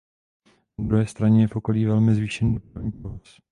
Na druhé straně je v okolí velmi zvýšený dopravní provoz.